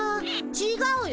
ちがうよ。